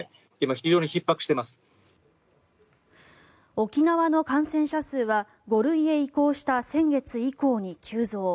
沖縄の感染者数は５類へ移行した先月以降に急増。